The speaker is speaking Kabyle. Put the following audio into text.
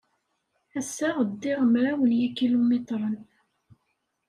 Ass-a ddiɣ mraw n yikilumitren.